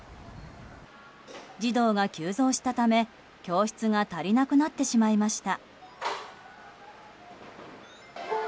児童が急増したため、教室が足りなくなってしまいました。